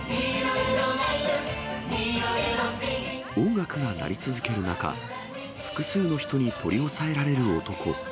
音楽が鳴り続ける中、複数の人に取り押さえられる男。